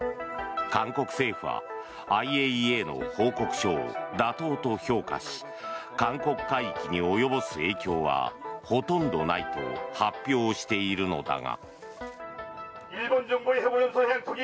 韓国政府はＩＡＥＡの報告書を妥当と評価し韓国海域に及ぼす影響はほとんどないと発表しているのだが。